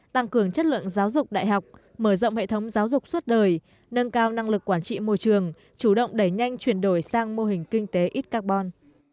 tăng cường chất lượng giáo dục đại học mở rộng hệ thống giáo dục suốt đời nâng cao năng lực quản trị môi trường chủ động đẩy nhanh chuyển đổi sang mô hình kinh tế ít carbon